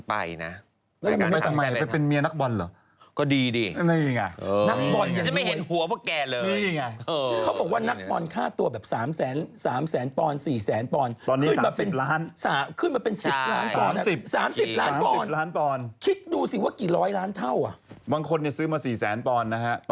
พิบนาคืนเดียวทุกคนเปลี่ยนชีวิต